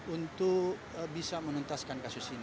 untuk bisa menentaskan kasus ini sebenarnya